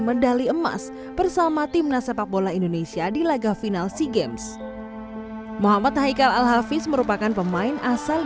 medali emas bersama tim nasabah bola indonesia di laga final seagames muhammad haikal al hafiz